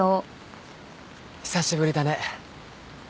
久しぶりだね。